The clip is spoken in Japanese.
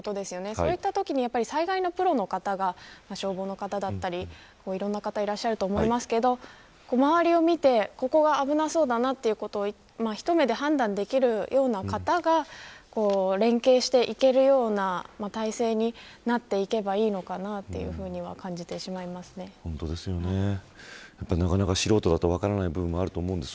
そういったときに最大のプロの方が消防の方だったり、いろんな方いらっしゃると思いますが周りを見て、ここは危なそうだなということを一目で判断できるような方が連携していけるような体制になっていけばいいのかなというふうになかなか素人だと分からない部分もあると思います。